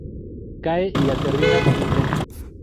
Cae, y aterriza en un tren.